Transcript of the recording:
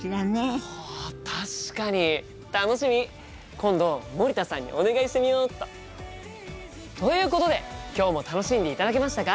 今度森田さんにお願いしてみよっと。ということで今日も楽しんでいただけましたか？